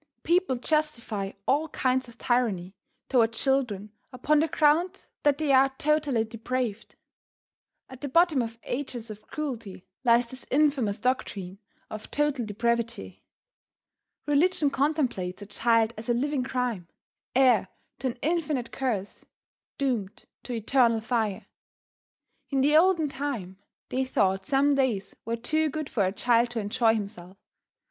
People justify all kinds of tyranny toward children upon the ground that they are totally depraved. At the bottom of ages of cruelty lies this infamous doctrine of total depravity. Religion contemplates a child as a living crime heir to an infinite curse doomed to eternal fire. In the olden time, they thought some days were too good for a child to enjoy himself.